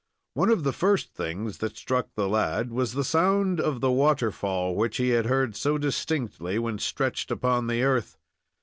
One of the first things that struck the lad was the sound of the waterfall which he had heard so distinctly when stretched upon the earth.